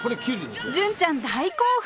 純ちゃん大興奮！